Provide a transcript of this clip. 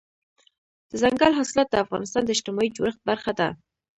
دځنګل حاصلات د افغانستان د اجتماعي جوړښت برخه ده.